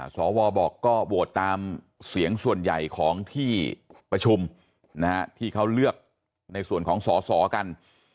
สวบอกก็โหวตตามเสียงส่วนใหญ่ของที่ประชุมที่เขาเลือกในส่วนของสอสอกัน